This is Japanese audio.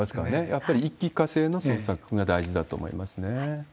やっぱり一気かせいの捜索が大事だと思いますね。